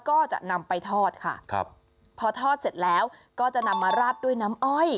ก็จะนำไปทอดค่ะครับพอทอดเสร็จแล้วก็จะนำมาราดด้วยน้ำอ้อย